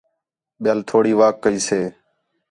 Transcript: ٻِیال تھوڑی واک کَئی سے